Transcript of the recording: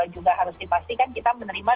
juga harus dipastikan kita menerima